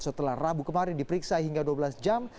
setelah rabu kemarin diperiksa hingga dua belas jam